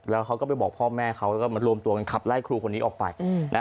แล้วเขาก็ไปบอกพ่อแม่เขาแล้วก็มารวมตัวกันขับไล่ครูคนนี้ออกไป